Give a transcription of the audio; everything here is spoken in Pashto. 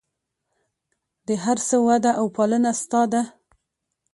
د هر څه وده او پالنه ستا ده.